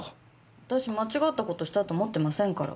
私間違った事したと思ってませんから。